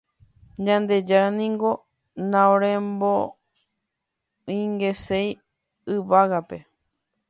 Ñandejára niko naoremoingeséi yvágape.